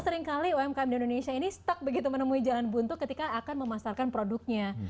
seringkali umkm di indonesia ini stuck begitu menemui jalan buntu ketika akan memasarkan produknya